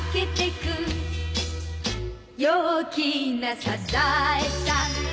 「陽気なサザエさん」